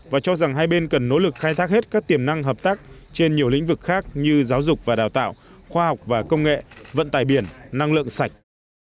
và cho rằng hai bên cần nỗ lực khai thác hết các tiềm năng hợp tác trên nhiều lĩnh vực khác như giáo dục và đào tạo khoa học và công nghệ vận tài biển năng lượng sạch